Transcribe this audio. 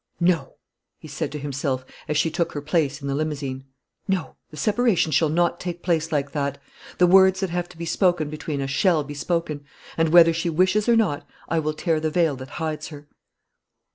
"No!" he said to himself, as she took her place in the limousine. "No! The separation shall not take place like that. The words that have to be spoken between us shall be spoken; and, whether she wishes or not, I will tear the veil that hides her."